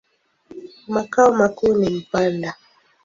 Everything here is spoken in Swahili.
Makao makuu ni Mpanda.